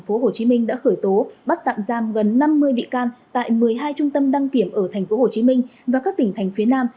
tp hcm đã khởi tố bắt tạm giam gần năm mươi bị can tại một mươi hai trung tâm đăng kiểm ở tp hcm và các tỉnh thành phía nam